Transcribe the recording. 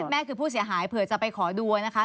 แม่คือผู้เสียหายเผื่อจะไปขอดูนะคะ